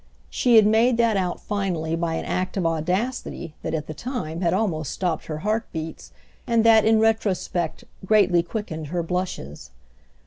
She had made that out finally by an act of audacity that at the time had almost stopped her heart beats and that in retrospect greatly quickened her blushes.